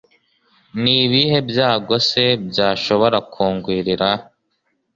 ni ibihe byago se byashobora kungwirira